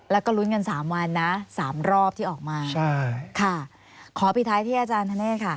แล้วก็รุ้นกัน๓วันนะ๓รอบที่ออกมาค่ะขอพิท้ายที่อาจารย์ท่านเนธค่ะ